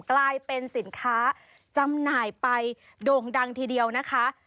กลายเป็นสินค้าจำหน่ายไปโด่งดังทีเดียวนะคะ